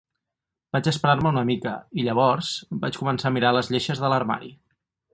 Vaig esperar-me una mica i, llavors, vaig començar a mirar les lleixes de l'armari.